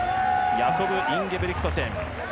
ヤコブ・インゲブリクトセン。